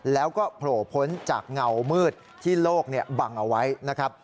แล้วก็โผล่พ้นจากเงามืดที่โลกบังเอาไว้นะครับ